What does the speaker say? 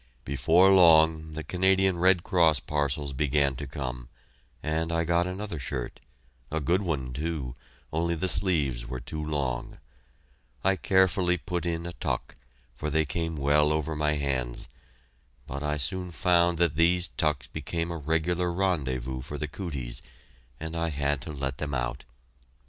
Before long, the Canadian Red Cross parcels began to come, and I got another shirt a good one, too, only the sleeves were too long. I carefully put in a tuck, for they came well over my hands. But I soon found that these tucks became a regular rendezvous for the "cooties," and I had to let them out.